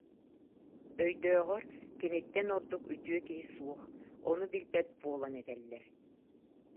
Јйдөөҕөр киниттэн ордук үтүө киһи суох, ону билбэт буолан этэллэр